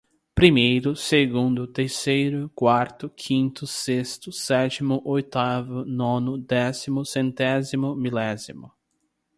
primeiro, segundo, terceiro, quarto, quinto, sexto, sétimo, oitavo, nono, décimo, centésimo, milésimo.